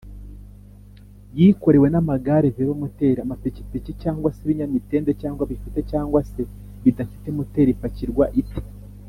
yikorewe n’amagare ,velomoteri ,Amapikipiki cg se ibinyamitende cg bifite cg se bidafite moteri ipakirwa ite